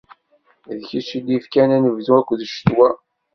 D kečč i d-ifkan anebdu akked ccetwa.